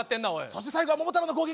そして最後は桃太郎の攻撃。